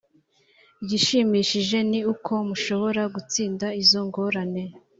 igishimishije ni uko mushobora gutsinda izo ngorane